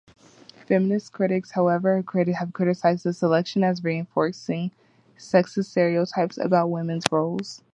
Feminist critics, however, have criticized this selection as reinforcing sexist stereotypes about women's roles.